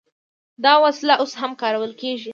دا وسله اوس هم کارول کیږي.